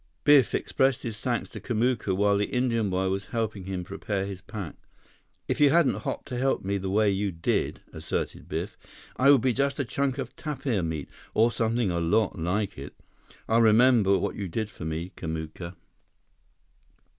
Biff expressed his thanks to Kamuka while the Indian boy was helping him prepare his pack. "If you hadn't hopped to help me the way you did," asserted Biff, "I would be just a chunk of tapir meat, or something a lot like it. I'll remember what you did for me, Kamuka."